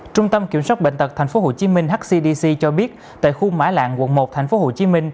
trung tâm kiểm soát bệnh tật tp hcm hcdc cho biết tại khu mã lạng quận một tp hcm